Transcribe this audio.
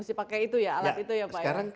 pasti pakai itu ya alat itu ya pak